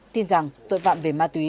tin rằng tội phạm về ma túy